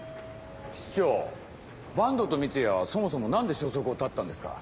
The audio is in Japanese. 室長板東と三ツ矢はそもそも何で消息を絶ったんですか？